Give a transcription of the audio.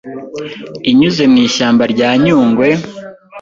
inyuze mu ishyamba rya Nyungwe,